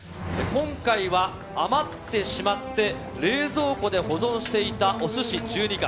今回は、余ってしまって冷蔵庫で保存していたお寿司１２貫。